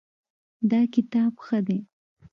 دا کتاب ښه دی